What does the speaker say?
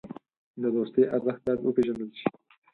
د دوستۍ ارزښت باید وپېژندل شي.